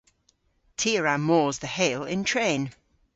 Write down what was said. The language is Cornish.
Ty a wra mos dhe Heyl yn tren.